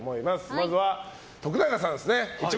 まずは、徳永さんですね。